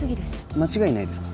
間違いないですか？